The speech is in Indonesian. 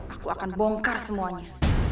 aku akan bongkar semuanya